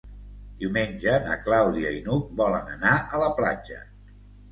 Diumenge na Clàudia i n'Hug volen anar a la platja.